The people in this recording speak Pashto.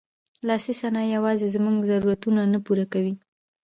لاسي صنایع یوازې زموږ ضرورتونه نه پوره کوي.